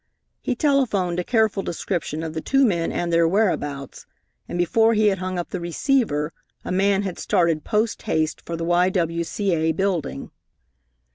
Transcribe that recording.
He telephoned a careful description of the two men and their whereabouts, and before he had hung up the receiver a man had started post haste for the Y.W.C.A. Building.